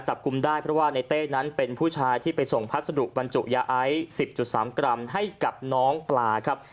จับกลุ่มได้เพราะว่าในเต้นั้นเป็นผู้ชายที่ไปส่งพัสดุบรรจุยาไอซ์๑๐๓กรัมให้กับน้องปลาครับ